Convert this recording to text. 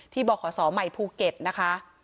ที่บขใหม่ภูเก็ตนะคะ